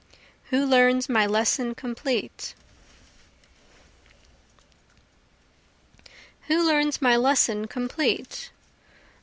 Who Learns My Lesson Complete? Who learns my lesson complete?